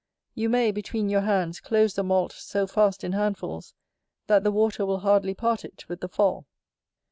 You may, between your hands, close the malt so fast in handfuls, that the water will hardly part it with the fall.